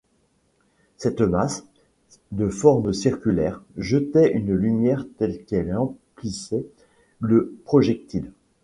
Cette masse, de forme circulaire, jetait une lumière telle qu’elle emplissait le projectile.